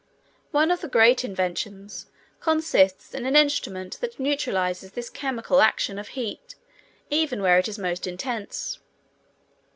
One of the great inventions consists in an instrument that neutralizes this chemical action of heat even where it is most intense.